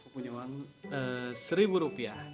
punya uang seribu rupiah